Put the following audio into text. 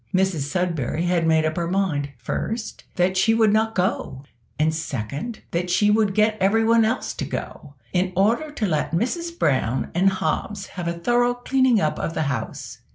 Mrs Sudberry had made up her mind, first, that she would not go; and second, that she would get everyone else to go, in order to let Mrs Brown and Hobbs have a thorough cleaning up of the house.